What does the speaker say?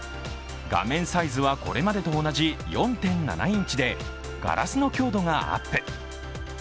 画面サイズはこれまでと同じ４．７インチでガラスの強度がアップ。